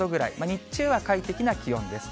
日中は快適な気温です。